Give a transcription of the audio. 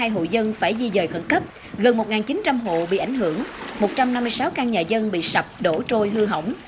một trăm bảy mươi hai hộ dân phải di dời khẩn cấp gần một chín trăm linh hộ bị ảnh hưởng một trăm năm mươi sáu căn nhà dân bị sập đổ trôi hư hỏng